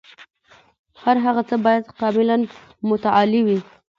هر هغه څه باید کاملاً متعالي وي.